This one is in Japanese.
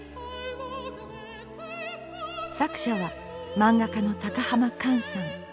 作者は漫画家の高浜寛さん。